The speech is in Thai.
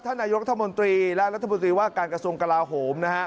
นายกรัฐมนตรีและรัฐมนตรีว่าการกระทรวงกลาโหมนะฮะ